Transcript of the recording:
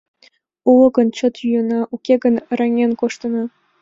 Уло гын, чот йӱына, уке гын, раҥен коштына.